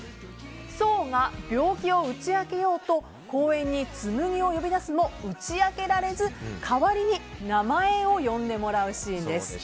想が病気を打ち明けようと公園に紬を呼び出すも打ち明けられず代わりに名前を呼んでもらうシーンです。